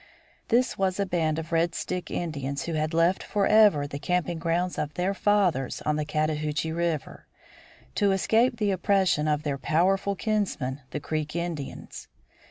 This was a band of Red Stick Indians who had left forever the camping grounds of their fathers on the Chattahoochee River, to escape the oppression of their powerful kinsmen, the Creek Indians.